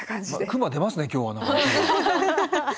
熊出ますね今日は何か。